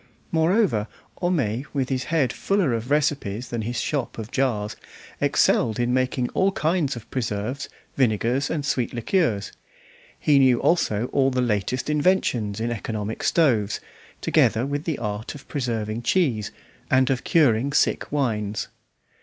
Moreover, Homais, with his head fuller of recipes than his shop of jars, excelled in making all kinds of preserves, vinegars, and sweet liqueurs; he knew also all the latest inventions in economic stoves, together with the art of preserving cheese and of curing sick wines.